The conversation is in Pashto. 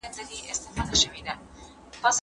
اقتصادي همکاري د ټولو په ګټه ده.